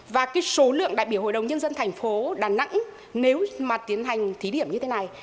và cái số lượng đại biểu hội đồng nhân dân thành phố đà nẵng nếu mà tiến hành thí điểm như thế này